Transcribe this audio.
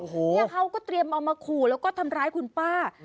เนี่ยเขาก็เตรียมเอามาขู่แล้วก็ทำร้ายคุณป้า